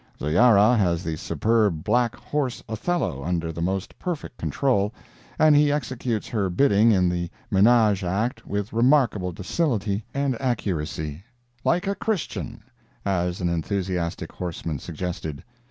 Zoyara has the superb black horse Othello under the most perfect control, and he executes her bidding in the menage act with remarkable docility and accuracy—"like a Christian," as an enthusiastic horseman suggested.